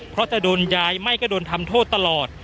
เพราะจะโดนยายไม่ก็โดนทำโทษตลอด